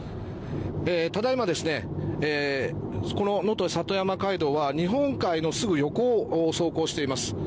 ただ今、のと里山海道は日本海のすぐ横を走行しています。